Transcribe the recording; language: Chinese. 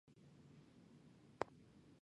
是潜意识选择遗忘